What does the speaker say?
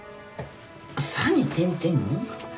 「さ」に点々？